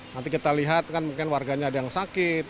nanti kita lihat kan mungkin warganya ada yang sakit